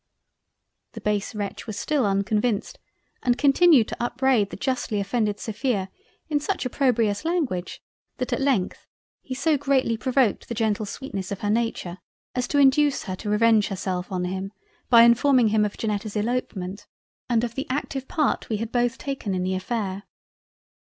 The base wretch was still unconvinced and continued to upbraid the justly offended Sophia in such opprobious Language, that at length he so greatly provoked the gentle sweetness of her Nature, as to induce her to revenge herself on him by informing him of Janetta's Elopement, and of the active Part we had both taken in the affair.